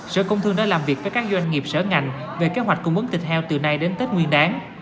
sở công thương đã làm việc với các doanh nghiệp sở ngành về kế hoạch cung ứng thịt heo từ nay đến tết nguyên đáng